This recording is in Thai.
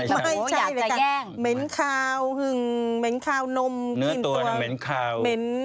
ไม่ใช่เลยครับเหม็นขาวหึงเหม็นขาวนมอิ่มตัวเหม็นเนื้อตัวเนี่ยเหม็นขาว